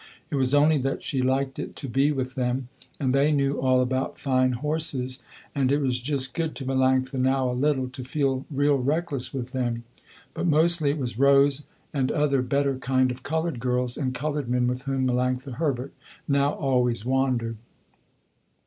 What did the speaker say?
It was only that she liked it to be with them, and they knew all about fine horses, and it was just good to Melanctha, now a little, to feel real reckless with them. But mostly it was Rose and other better kind of colored girls and colored men with whom Melanctha Herbert now always wandered.